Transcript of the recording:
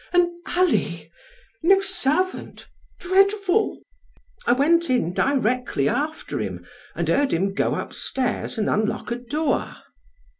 "An alley! No servant! Dreadful!" "I went in directly after him, and heard him go up stairs and unlock a door."